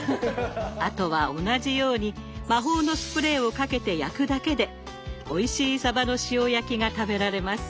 あとは同じように魔法のスプレーをかけて焼くだけでおいしいサバの塩焼きが食べられます。